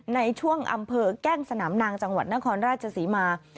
ในช่วงอำเภอแก้งสนามนางจังหวัดนครราชศรีมา